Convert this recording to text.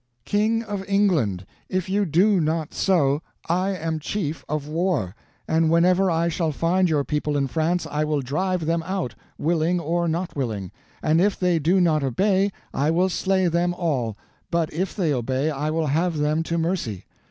King of England, if you do not so, I am chief of war, and whenever I shall find your people in France, I will drive them out, willing or not willing; and if they do not obey I will slay them all, but if they obey, I will have them to mercy.